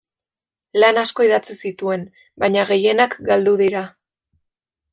Lan asko idatzi zituen baina gehienak galdu dira.